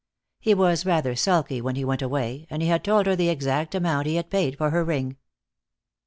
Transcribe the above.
He was rather sulky when he went away, and he had told her the exact amount he had paid for her ring.